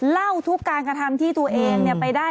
เล่าทุกการกระทำที่ตัวเองไปได้